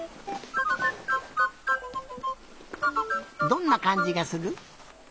どんなかんじがする？